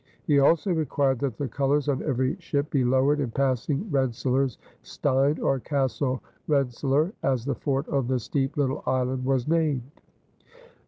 He also required that the colors on every ship be lowered in passing Rensselaer's Stein or Castle Rensselaer, as the fort on the steep little island was named.